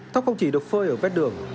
thóc không chỉ được phơi ở vết đường